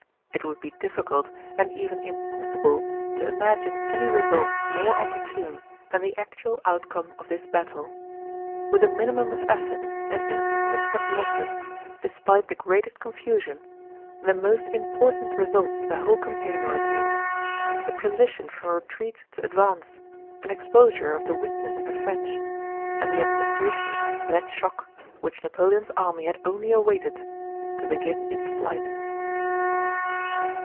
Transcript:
It would be difficult and even impossible to imagine any result more opportune than the actual outcome of this battle. With a minimum of effort and insignificant losses, despite the greatest confusion, the most important results of the whole campaign were attained: the transition from retreat to advance, an exposure of the weakness of the French, and the administration of that shock which Napoleon's army had only awaited to begin its flight.